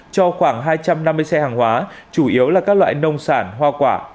cho khoảng hai trăm năm mươi xe hàng hóa chủ yếu là các loại nông sản hoa quả